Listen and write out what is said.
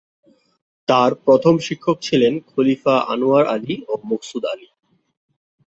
তার প্রথম শিক্ষক ছিলেন খলিফা আনোয়ার আলী ও মকসুদ আলী।